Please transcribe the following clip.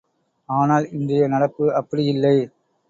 ஆனால் இன்றைய நடப்பு அப்படியில்லை.